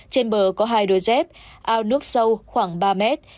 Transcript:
trên bờ có hai đôi dép ao nước sâu khoảng ba mét